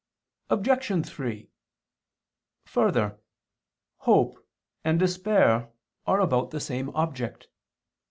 Obj. 3: Further, hope and despair are about the same object.